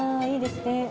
いいですね。